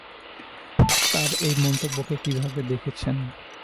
তাঁর এই মন্তব্যকে কীভাবে দেখছেন?